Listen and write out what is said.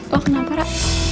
lo kenapa ra